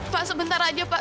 pak sebentar aja pak